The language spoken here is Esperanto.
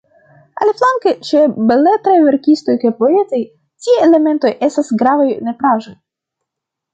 Aliflanke, ĉe beletraj verkistoj kaj poetoj, tiaj elementoj estas gravaj nepraĵoj.